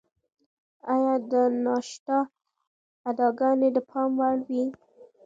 ایا د ناتاشا اداګانې د پام وړ وې؟